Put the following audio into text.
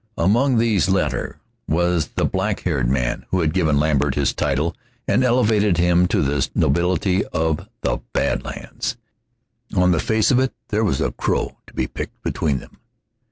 Among these latter was the black haired man who had given Lambert his title and elevated him to the nobility of the Bad Lands. On the face of it there was a crow to be picked between them.